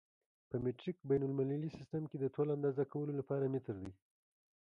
په مټریک بین المللي سیسټم کې د طول اندازه کولو لپاره متر دی.